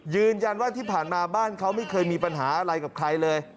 ยืนยันว่าที่ผ่านมาบ้านเขาไม่เคยมีปัญหาอะไรกับใครเลย